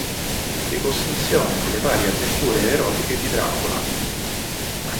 Ricostruzione delle varie avventure erotiche di Dracula.